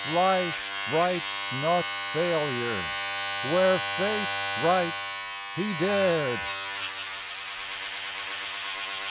Life writes not Failure where Fate writes He dared.